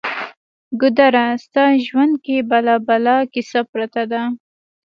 ګودره! ستا ژوند کې بلا بلا کیسه پرته ده